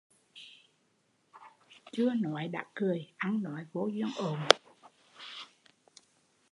Chưa nói đã cười, ăn nói vô duyên ộn